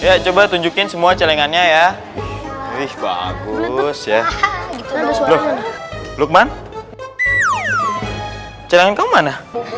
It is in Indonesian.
ya coba tunjukin semua celingannya ya wih bagus ya lukman celingan kamu mana